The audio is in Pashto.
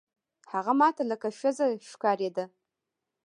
هغه ما ته لکه ښځه ښکارېده.